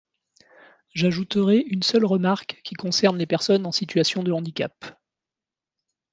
J’ajouterai une seule remarque, qui concerne les personnes en situation de handicap.